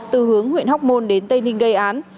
từ hướng huyện hóc môn đến tây ninh gây án